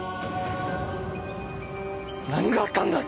「何があったんだ！？」